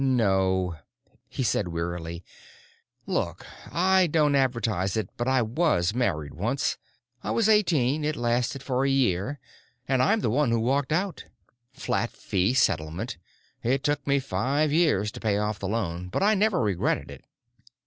"No," he said wearily. "Look, I don't advertise it, but I was married once. I was eighteen, it lasted for a year and I'm the one who walked out. Flat fee settlement; it took me five years to pay off the loan, but I never regretted it."